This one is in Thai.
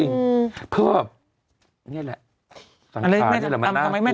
อีกคนนี้